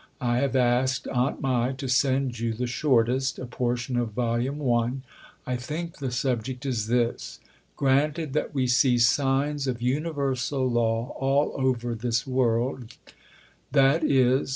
I have asked Aunt Mai to send you the shortest [a portion of vol. i.]. I think the subject is this: Granted that we see signs of universal law all over this world, _i.e.